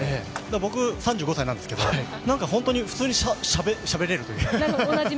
僕、３５歳なんですけど本当に普通にしゃべれるというか。